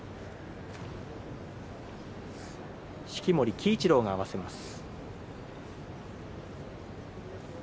式守鬼一郎が合わせます。